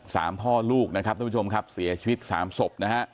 พ่อลูกนะครับทุกผู้ชมครับเสียชีวิตสามศพนะฮะ